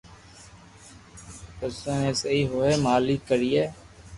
پسو بي سھي ھوئي مالڪ ڪرئي